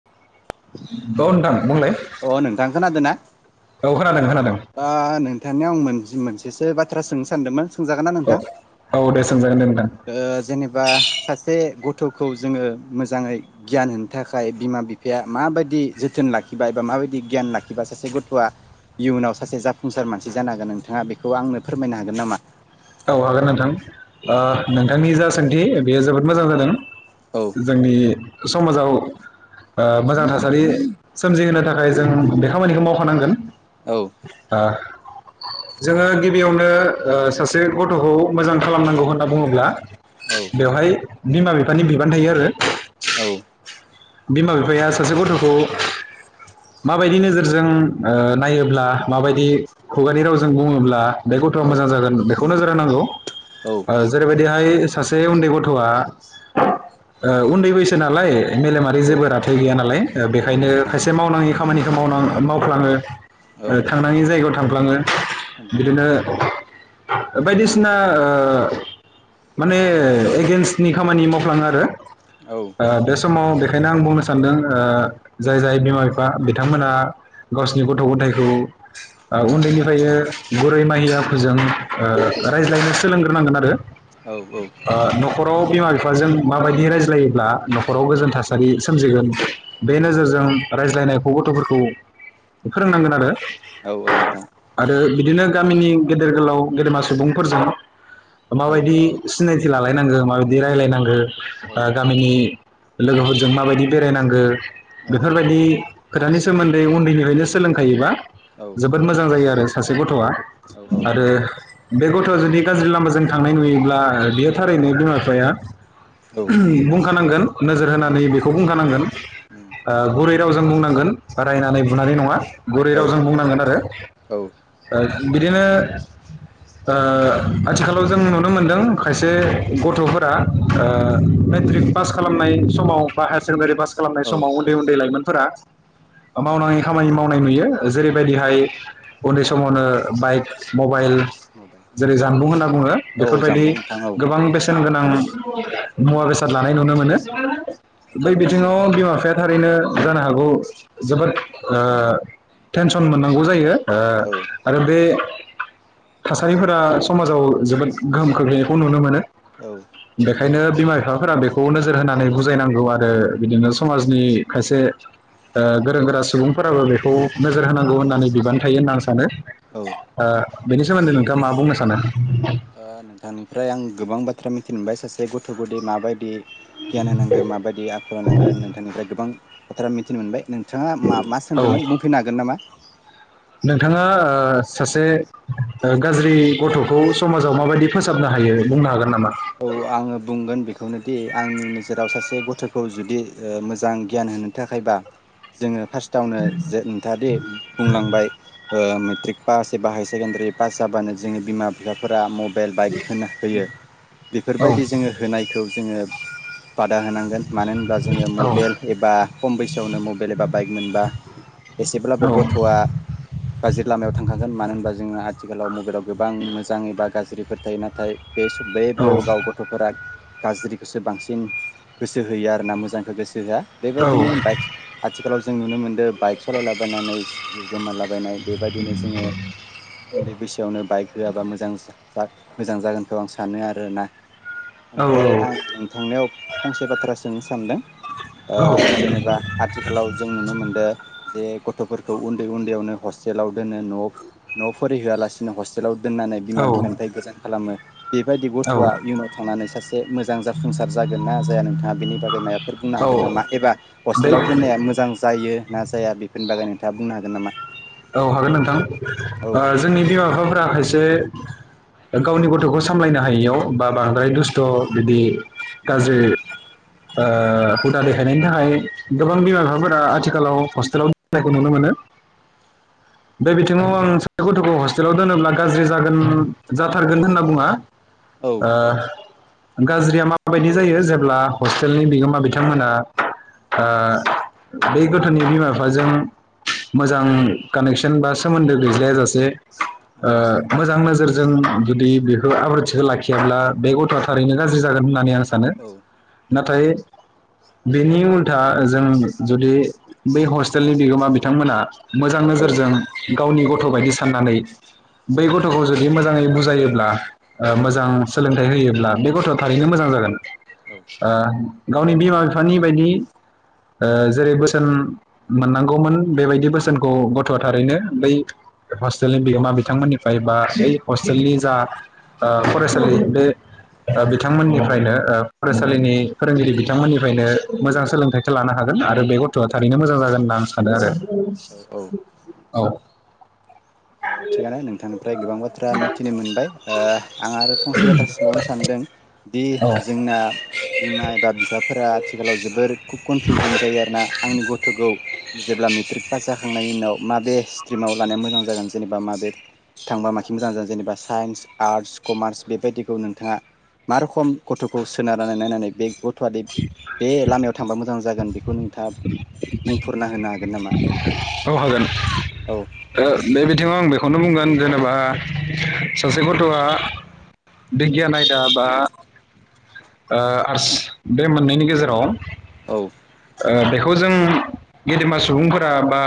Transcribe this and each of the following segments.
[unintelligible] [unintelligible] अ नोंथां खोनादोना औ खोनादों खोनादों [unintelligible] आं मोनसे मोनसेसो बाथ्रा सोंनो सानदोंमोन सोंजागोन ना नोंथां औ औ दे [unintelligible] ओ जेनेबा सासे गु थखौ जोङो मोजाङै गियान होनो थाखाय बिमा बिफाया माबायदि जोथोन लाखिबाय बा माबायदि गियान लाखिबा सासे गथ'आ इयुनाव सासे जाफुंसार मानसि जानो हागोन नोंथाङा बेखौ आंनो फोरमायनो हागोन नामा औ हागोन नोंथां ओ नोंथांनि जा सोंथि बेयो जोबोद मोजां जादों औ जोंनि समाजाव ओ मोजां थासारि सोमजिहोनो थाखाय जों बे खामानिखौ मावखानांगोन औ ओ जोङो गिबियावनो ओ सासे से गथ'खौ मोजां खालामनांगौ होनना बुङोब्ला औ बेवहाय बिमा बिफानि बिबान थायो आरो बिमा बिफाया सासे गथ'खौ माबायदि नोजोरजों ओ नायोब्ला माबायदि खुगानि रावजों बुङोब्ला बे गथ'आ औ मोजां जागोन खौ नोजोर होनांगौ औ ओ जेरैबायदि थाय सासे उन्दै गथ'आ ओ उन उन्दै बैसो नालाय मेलेमारि औ जेबो राथाय गैया नालाय ओ औ बेखायनो नोंथां खायसे मावनाङि खामानिखौ मावनां ओ मावफ्लाङो औ ओ थांनांयि जायगायाव थांफ्लाङो [unintelligible] थांफ्लाङो बिदिनो बायदिसिना ओ माने एगेन्स्टनि खामानि मावफ्लाङो आरो औ ओ बे समाव बेखायनो आं बुंनो सानदों ओ जाय जाय बिमा बिफा बिथांमोना गावसिनि गथ' गथायाइखौ उन्दैनिफ्रायनो गुरै माहियाफोरोजों रायज्लायनो सोलोंग्रोनांगोन आरो औ औ ओ न'खराव बिमा बिफाजों माबायदि रायज्लायोब्ला ख'राव औ गोजोन थासारि सोमजिगोन बे नोजोरजों रायज्लायनायखौ गथ'फोरखौ फोरोंनांगोन आरो औ औ नोंथां आरो बिदिनो गामिनि गेदेर गोलाव गेदेमा सुबुंफोरजों औ औ माबायदि सिनायथि लालायनांगो माबायदि रायजलायनांगो। ओ गामिनि लोगोफोरजों माबायदि बेरायनांगो बेफोर बायदि। खोथानि सोमोन्दै उन्दैनिफ्रायनो सोलोंखायोबा। औ जोबोद मोजां जायो आरो सासे गथ'आ औ औ आरो बे गथ'आ जुदि गाज्रि लामाजों थांनाय नुयोब्ला बेयो थारैनो बिमा बिफाया औ बुंखानांगोन। नोजोर उम होनानै बेखौ बुंखानांगोन उम ओ गुरै राव जों बुंनांगोन रायनानै बुनानै नङा। गुरै औ रावजों बुंनांगोन आरो औ ओ बिदिनो ओ आथिखालाव जों नुनो मोनदों खायसे गथ'फोरा ओ मेट्रिक पास खालामनाय समाव बा हायार सेकेण्डारि पास खालामनाय औ समाव उन्दै-उन्दै लाइमोन फोरा मावनाङै खामानि मावनाय नुयो जेरैबायदिहाय उन्दै समावनो बायक मबाइल नुबाय जेरै जानबुं होनना बुङो औ बेफोरबायदि जामबुं नोंथां औ गोबां बेसेनगोनां [inaudible] मुवा बेसाद लानाय नुनो मो नो बै बिथिङाव बिमा बिफाया थारैनो जानो हागौ जोबोद ओ टेनसन मोननांगौ जायो। ओ औ औ आरो बे थासारिफोरा समाजाव जोबोद गोहोम खोख्लैनायखौ नुनो मोनो। औ ओंखायनो बिमा बिफफोरा बेखौबो नोजो जोर होनानै बुजायनांगौ आरो बिदिनो समाजनि खायसे ओ गोरों गोरा सुबुंफोराबो बेखौ नोजोर होनांगौ होननानै बिबान थायो होनना आं सा नो ओ बेनि सोमोन्दै नोंथाङा मा बुंनो सानो? ओ नोंथांनिफ्राय आं गोबां बाथ्रा मिथिनो मोनबाय सासे गथ'खौदि माबायदि गियान होनांगो माबायदि आखल होनांगो नोंथांनिफ्राय गोबां बाथ्रा मिथिनो मोनबाय नों थाङा मा-मा औ सोंदोंमोन बुंफिननो हागोन नामा नोंथाङा ओ सासे ओ गाज्रि गथ'खौ समाजाव माबायदि फोसाबनो हायो बुंनो हागोन नामा औ आङो बुंगोन बेख खौनोदि आंनि नोजोराव सासे गथ'खौ जुदि मोजां गियान होनो थाखायबा जोङो फार्स्टआवनो जे नोंथाङादि बुंलांबाय ओ मेट्रिक पास एबा हायार सेकेण्डारि पास जाबानो जोंनि बिमा बिफाफोरा मब बेल बाइक होना होयो। औ बेफोरबायदि जोङो होनायखौ जोङो [inaudible] बादा होनांगोन मानो होनब्ला जोङो औ मबाइल एबा खम बैसोआवनो मबाइल एबा बाइक मोनबा औ एसेब्लाबो गथ'आ गाज्रि लामायाव थांखा गोन मानो होनबा जोङो आथिखालाव मबाइलाव गोबां मोजां एबा गाज्रि फोर थायो नाथाय बे सब बे औ औ [unintelligible] गाव गथ'फोरा गाज्रिखौसो बांसिन गोसो होयो आरोना मोजांखौ गोसो होआ औ बेबायदिनो बाइक आथिखालाव जों नुनो मोनदो। बाइक सालायलाबायनानै जिउ गोमालाबायनाय बेबायदिनो जोङो उन्दै बैसोआवनो बाइक होआबा मोजां जा जा मोजां जागोनखौ आं सानो आरो रोना ओमफ्राय आं नोंथांनियाव फंसे बाथ्रा सोंनो सानदों ओ औ जेनेबा आथिखालाव जों नुनो मोनदों जे गथ'फोरखौ उन्दै उन्दैयावनो हस्टेलाव दोनो न' न'आव फरिहोआलासिनो हस्टेलाव दोननानै बिमा औ बिफानिफ्राय गोजान खालामो। बेबायदि थआ इयुनाव थांनानै सासे मोजां जाफुंसार जागोन ना जाया नोंथाङा बेनि बागै मायबाफोर बुंनो औ हागोन नामा एबा हस्टेलाव बे दोननाया मोजां जायो ना? जाया बेफोरनि बागै नोंथाङा बुंनो हागोन नामा? औ हागोन नोंथां औ जोंनि बिमा बिफाफोरा खायसे गावनि गथ'खौ सामलायनो हायियाव बा बांद्राय दुस्थ' बिदि औ गाज्रि ओ हुदा देखायनायनि थाखाय गोबां बिमा बिफाफोरा आथिखालाव हस्टेलाव दोननायखौ नुनो मोनो। बे बिथिङाव आं सासे गथ'खौ हस्टेलाव दोनोब्ला गाज्रि जागोन जाथारगोन होनना बुङा। औ ओ गाज्रिया माबायदि जायो जेब्ला हस्टेलनि बिगोमा बिथांमोना ओ बै गथ'नि बिमा बिफाजों मोजां मोजां कानेकसन बा सोमोन्दो गैज्लाया जासे औ ओ मोजां नोजोर जों जुदि बेखौ आब्रुथिखो लाखियाब्ला बे गथ'आ थारैनो गाज्रि जागोन होननानै आं सान औ सानो नाथाय बेनि उल्था जों जुदि बै हस्टेलनि बिगोमा बिथांमोना मोजां नोजोरजों गावनि गथ बादि साननानै बै गथ'खौ जुदि मोजांङै बुजायोब्ला ओ मोजां सोलों फिथाइ होयोब्ला बे गथ'आ थारैनो मोजां जागोन। औ ओ गावनि बिमा बिफानि बायदि ओ जेरै बोसोन मोननांगौमोन बेबायदि बोसोनखौ खौ गथ'आ थारैनो बै हस्टेलनि बिगोमा बिथांमोननिफ्राय बा बै हस्टेलनि जा ओ फरायसालि बे बिथांमोननिफ्रायनो ओ फरायसालिनि फोरोंगिरि बिथांमोननिफ्रायनो मोजां सोलोंथाइखौ लानो हागोन आरो बे गथ'आ थारैनो मोजां जागोन होनना आं सानो आरो। औ [inaudible] औ ओ थिगानो नोंथांनिफ्राय गोबां बाथ्रा मिथिनो मोनबाय ओ आं आरो फंसे बाथ्रा सोंबावनो सानदों दि जोंना बिमा एबा बिफाफोरा आथिखालाव जोबोर कनफिउजन जायो आरोना आंनि गथ'खौ जेब्ला मेट्रिक पास जाखांनायनि उनाव माबे सित्रिमाव लानाया मोजां जागोन जेनेबा माबे थांबा माखि मोजां जेनेबा साइन्स आर्टस कमार्स बेबायदिखौ नोंथाङा मा रखम गथ'खौ सोनारनानै नायनानै बे गथ'आ देब बे लामायाव थांबा मोजां जागोन बेखौ नोंथाङा बुंफोरुरना होनो हागोन नामा औ हागोन औ ओ बे बिथिंङाव आं बे खौनो बुंगोन जेनेबा सासे गथ'आ बिगियान आयदा बा ओ आर्टस बे मोननैनायनि गेजेराव [unintelligible] ओ बेखौ जों गेदेमा सुबुंफोरा बा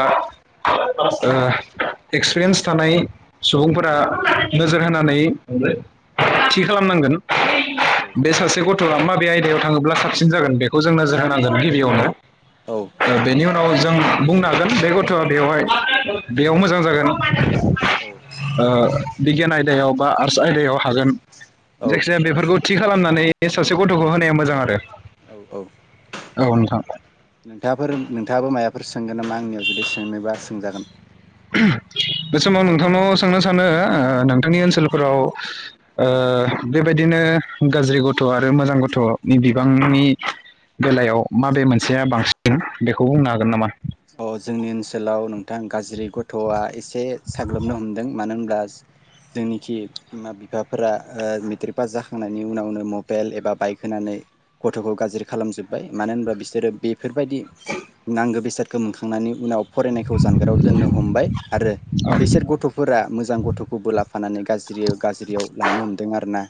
ओ एक्सपिरियेन्स थानाय सुबुंफोरा नोजोर होनानै थि खालामनांगोन बे सासे गथ'खौ थ'आ माबे आयदायाव थाङोब्ला साबसिन जागोन बेखौ जों नोजोर होनांगोन गिबियावनो औ बेनि उनाव जों बुंनो हागोन बे गथआ बेवहाय बेयाव मोजां जागोन। [inaudible] औ बिगियान आयदायाव बा आर्टस आयदायाव हागोन औ जायखिजाया बेफोरखौ थि खालामनानै सासे गथखौ होनाया मोजां आरो औ औ औ नोंथां नोंथाङाफोर नोंथाङाबो मायाफोर सोंगोन नामा आंनियाव जुदि सोंनोबा सोंजागोन बे समाव नोंथांनाव सोंनो सानो ओ नोंथांनि नोंथांनाव सोंनो सानो नोंथांनि ओनसोलफोराव बेबायदिनो गाज्रि गथ आरो मोजां गथ'नि बिबांनि बेलायाव माबे मोनसेया बांसिन बेखौ बुंनो हागोन नामा अ जोंनि ओनसोलाव नों आं गाज्रि गथआ एसे साग्लोबनो हमदों मानो होनब्ला जोंनिखि बिमा बिफाफोरा मेट्रिक पास जाखांनायनि उनावनो मबाइल एबा बाइक होनानै गथ'खौ गाज्रि खालामजोबबाय मानो होनबा बिसोरो बे बेफोरबायदि नांगौ बेसाद गोमखांनायनि उनाव फरायनायखौ जानगाराव दोननो हमबाय आरो बिसोर गथ'फोरा मोजां गथ'खौबो ला फानानै गाज्रियो गाज्रियाव लांनो हमदों आरो ना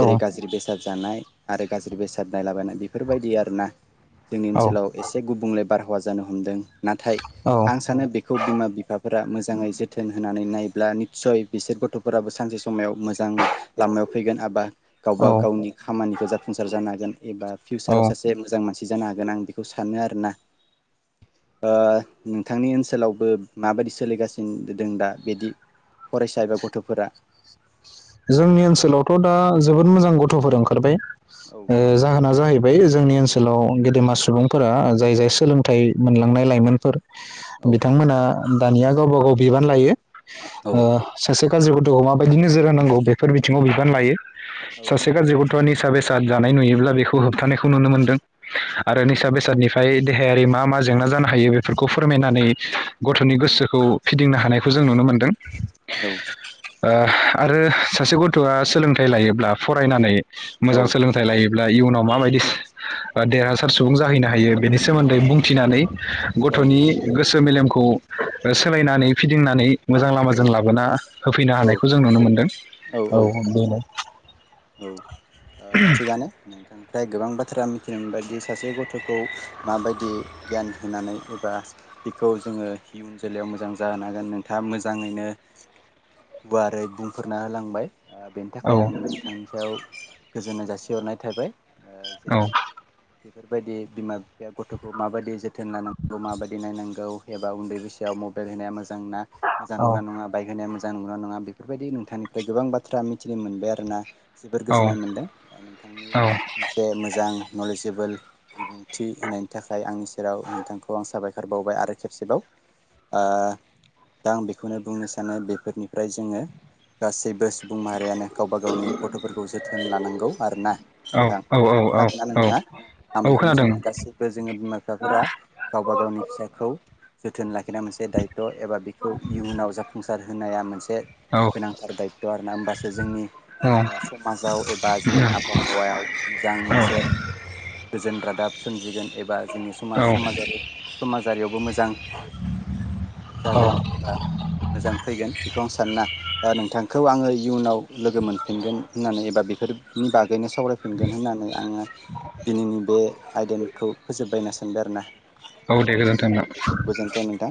जेरै गाज्रि बेसा साद जानाय आरो गाज्रि बेसाद नायलाबायनाय बेफोरबायदि आरोना जोंनि औ ओनसोलाव एसे गुबुंले बारहावा जानो हमदों नाथाय औ आं सानो बेखौ बिमा बिफाफोरा मोजाङै जोथोन होना नै नायब्ला निस्सय बिसोर गथ'फोराबो सानसे समेयाव मोजां लामायाव फैगोन एबा गावबा औ गावनि खामानिखौ जाफुंसार जानो हागोन एबा फिउसाराव औ सासे मोजां मानसि जानो हागोन आं बेखौ सानो आरोना ओ नोंथांनि ओनसोलावबो माबायदि सोलिगासिनो दं दा बिदि फरायसा एबा गथ'फोरा जोंनि ओनसोलावथ' दा जोबोद मोजां गथ'फोर ओंखारबाय औ ओ जाहोना जाहैबाय जोंनि ओनसोलाव गेदेमा सुबुंफोरा जाय जाय सोलोंथाइ मोनलांनाय लाइमोनफोर औ बिथांमोना दानिया गावबा गाव बिबान लायो औ ओ सासे गाज्रि गथ माबायदि नोजोर होना गौ बेफोर बिथिङाव बिबान लायो सासे औ गाज्रि ग गथ'आ निसा बेसाद जानाय नुयोब्ला बेखौ होबथानायखौ नुनो मोनदों आरो निसा बेसादनिफ्राय देहायारि मा मा जेंना जानो हायो बेफोरखौ फोरमायनानै गथ'नि गोसोखौ फिदिंनो हानायखौ जों नुनो मोनदों औ ओह आरो सासे गथ'आ सोलोंथाइ लायोब्ला फरायनानै मोजां सोलोंथाइ लायो ब्ला इयुनाव माबायदि देरहासार सुबुं जाहैनो हायो बेनि सोमोन्दै बुंथिनानै औ गथ'नि गोसो मेलेमखौ सोलायनानै फिदिंनानै मोजां लामाजों लाबोना होफैनो हानायखौ जों नुनो मोनो दों औ बेनो औ थिगआनो नोंथां फ्राय गोबां बाथ्रा मिथिनो मोनबायदि सासे गथ'खौ माबायदि गियान होनानै एबा बेखौ जोङो इयुन जोलैयाव मोजां जाहोनो हागोन नोंथाङा मोजाङैनो गुवारै बुंफोरना होलांबाय बेनि औ थाखाय आं नोंथांनि सायाव गोजोननाय जासिहरनाय थाबाय ओ जे बेफोरबायदि बिमा बिफाया गथ'खौ माबायदि जो जोथोन लानांगौ माबायदि नायनांगौ एबा उन्दै बैसोआव मबाइल होनाया मोजां मोजां ना मोजां औ नंना नंङा बाइक होनाया मो मोजां नंना नङा बेफोरबायदि नोंथांनिफ्राय गोबां बाथ्रा मिथिनो मोनबाय आरो ना जोबोर औ गोजोननाय मोनदों नोंथांनि औ मोनसे मोजां नलेजेबोल बिबुंथि होनायनि थाखाय आंनि सेराव नोंथांखौ आं साबायखर बावबाय आरो खेबसेबाव दा आं बेखौनो बुंनो सानो बेफोरनिफ्राय जोङो गासैबो सुबुं माहारियानो गावबा गावनि गथ' जोथोन लानांगौ आरोना नोंथां औ औ खोनादोंना औ नोंथाङा आं औ बेखौनो खोनादों सानो गासिबो जोङो बिमा बिफाफोरा गावबा गावनि फिसाखौ जोथोन लाखि बेनो मोनसे दायथ' एबा बेखौ इयुनाव जाफुंसार होनाया मोनसे औ गोनांथार दायथ' आरो ना होमबासो जोंनि औ समाजाव एबा जोंनि आबहावायाव मोजां मोनसे गोजोन रादाब सोमजिगोन एबा जोंनि औ समाज समाजारि समाजारियावबो मोजां औ जागोन एबा मोजां फैगोन बेखौ आं सानो ना नोंथांखौ आङो इयुनाव लोगो मोन फिनगोन होननानै एबा बेफोरनि बागै निस सावरायफिनगोन होननानै आङो दिनैनि बे आयदेनखौ फोजोबबाय होना सानो सानदो आरो ना औ देखद थना नोंथां।